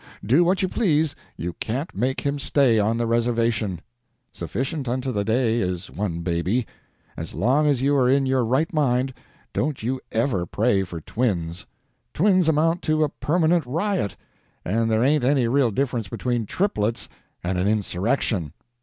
Do what you please, you can't make him stay on the reservation. Sufficient unto the day is one baby. As long as you are in your right mind don't you ever pray for twins. Twins amount to a perma nent riot. And there ain't any real difference between triplets and an insurrection.